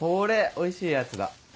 おいしいやつだ。